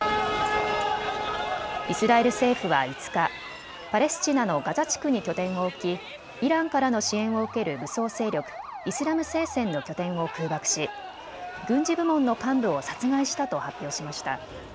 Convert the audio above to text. イスラエル政府は５日、パレスチナのガザ地区に拠点を置きイランからの支援を受ける武装勢力イスラム聖戦の拠点を空爆し軍事部門の幹部を殺害したと発表しました。